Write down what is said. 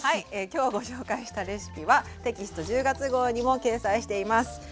今日ご紹介したレシピはテキスト１０月号にも掲載しています。